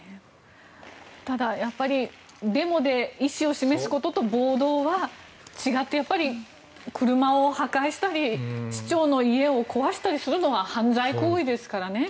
ただデモで意思を示すことと暴動は違ってやっぱり車を破壊したり市長の家を壊したりするのは犯罪行為ですからね。